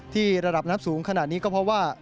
ระดับน้ำสูงขนาดนี้ก็เพราะว่า